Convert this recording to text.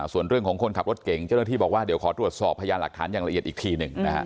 ส่วนเรื่องของคนขับรถเก่งเจ้าหน้าที่บอกว่าเดี๋ยวขอตรวจสอบพยานหลักฐานอย่างละเอียดอีกทีหนึ่งนะฮะ